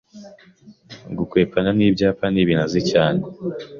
Gukwepana n’ibyapa nibintu azi cyane